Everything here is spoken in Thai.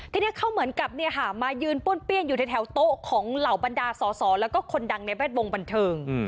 ทีนี้เขาเหมือนกับมายืนป้วนเปี้ยนอยู่ในแถวโต๊ะของเหล่าบรรดาสอสอแล้วก็คนดังในแวดวงบันเทิง